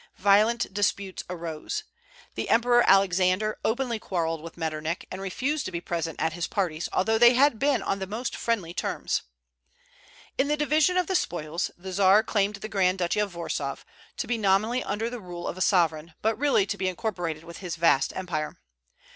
Violent disputes arose. The Emperor Alexander openly quarrelled with Metternich, and refused to be present at his parties, although they had been on the most friendly terms. In the division of the spoils, the Czar claimed the Grand Duchy of Warsaw, to be nominally under the rule of a sovereign, but really to be incorporated with his vast empire.